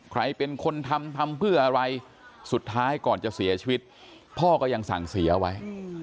ใครเป็นคนทำทำเพื่ออะไรสุดท้ายก่อนจะเสียชีวิตพ่อก็ยังสั่งเสียไว้